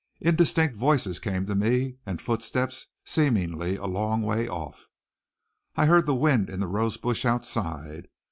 Indistinct voices came to me and footsteps seemingly a long way off. I heard the wind in the rose bush outside.